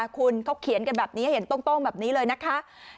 คุณเขาเขียนกันแบบนี้ให้เห็นโต้งแบบนี้เลยนะคะ